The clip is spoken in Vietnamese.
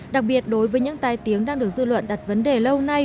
đặc biệt đối với những tai tiếng đang được dư luận đặt vấn đề lâu nay